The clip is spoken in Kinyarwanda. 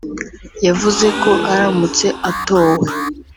yavuze ko aramutse atowe